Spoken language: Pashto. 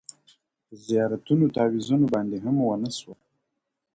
په زيارتونو تعويذونو باندې هم و نه سوه,